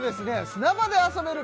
砂場で遊べる